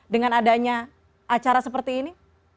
dengan adanya acara seperti ini